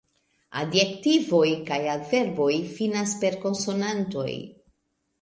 Adjektivoj kaj adverboj finas per konsonantoj.